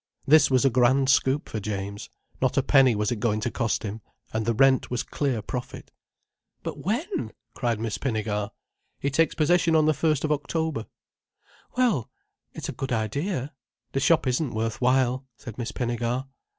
This was a grand scoop for James: not a penny was it going to cost him, and the rent was clear profit. "But when?" cried Miss Pinnegar. "He takes possession on the first of October." "Well—it's a good idea. The shop isn't worth while," said Miss Pinnegar.